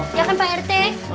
iya kan pak rt